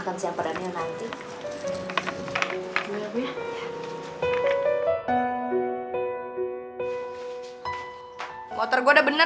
karena cepat sembuh ya